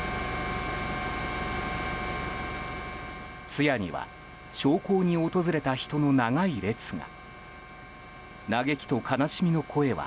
通夜には焼香に訪れた人の長い列が。